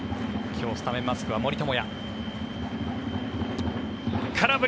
今日スタメンマスクは森友哉。